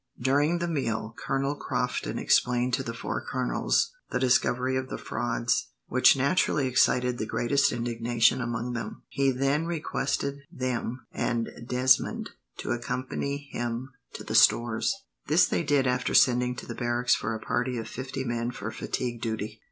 During the meal, Colonel Crofton explained to the four colonels the discovery of the frauds, which naturally excited the greatest indignation among them. He then requested them and Desmond to accompany him to the stores. This they did, after sending to the barracks for a party of fifty men for fatigue duty.